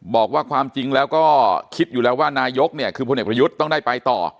บอกว่าความจริงแล้วก็คิดอยู่แล้วว่านายกเนี่ยคือพลเอกประยุทธ์ต้องได้ไปต่อ